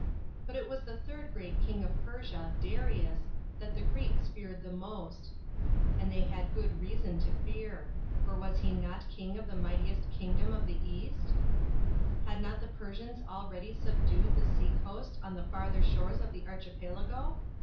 But it was the third great King of Persia, Darius, that the Greeks feared the most, and B.C. 513.] DARIUS ENTERS EUROPE. 85 had good reason to fear ; for was he not king of the mightiest kingdom of the East? Had not the Persians already subdued the sea coast on the farther shores of the Archipelago